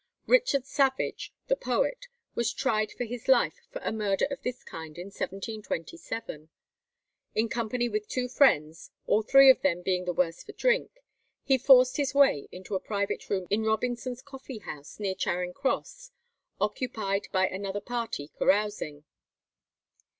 Richard Savage, the poet, was tried for his life for a murder of this kind in 1727. In company with two friends, all three of them being the worse for drink, he forced his way into a private room in Robinson's coffee house, near Charing Cross, occupied by another party carousing.